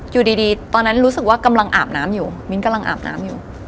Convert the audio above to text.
อยู่ดีตอนนั้นรู้สึกว่ากำลังอาบน้ำอยู่มิ้นกำลังอาบน้ำอยู่